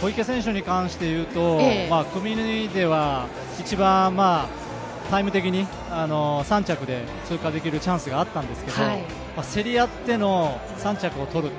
小池選手に関して言うと組では一番タイム的に３着で通過できるチャンスがあったんですけど、競り合っての３着をとる。